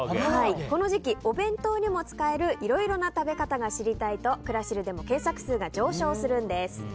この時期、お弁当にも使えるいろいろな食べ方が知りたいとクラシルでも検索数が上昇するんです。